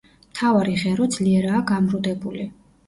მთავარი ღერო ძლიერაა გამრუდებული.